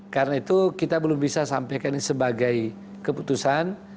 karena itu kita belum bisa sampaikan sebagai keputusan